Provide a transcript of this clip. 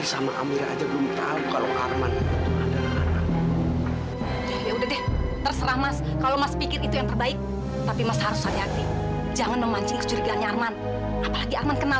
sampai jumpa di video selanjutnya